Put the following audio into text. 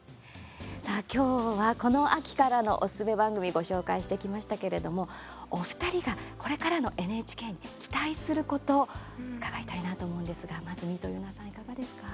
さあ今日はこの秋からのおすすめ番組ご紹介してきましたけれどもお二人がこれからのＮＨＫに期待すること伺いたいなと思うんですがまず、みとゆなさんいかがですか？